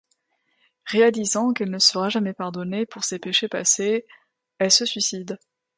Réalisant qu'elle ne sera jamais pardonnée pour ses péchés passés, elle se suicide.